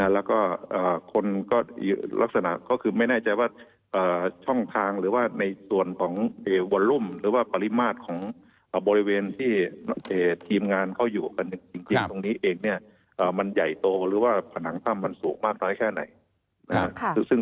แล้วก็คนก็ลักษณะก็คือไม่แน่ใจว่าช่องทางหรือว่าในส่วนของวอลล่มหรือว่าปริมาตรของบริเวณที่ทีมงานเขาอยู่กันจริงตรงนี้เองเนี่ยมันใหญ่โตหรือว่าผนังถ้ำมันสูงมากน้อยแค่ไหน